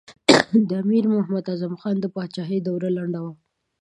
د امیر محمد اعظم خان د پاچهۍ دوره لنډه وه.